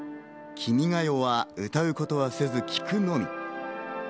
『君が代』を歌うことはせず、聴くのみ。